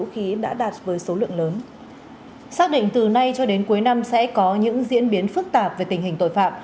hôm nay cho đến cuối năm sẽ có những diễn biến phức tạp về tình hình tội phạm